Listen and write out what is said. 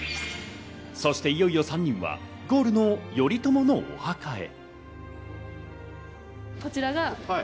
そして、いよいよ３人はゴールの頼朝のお墓へ。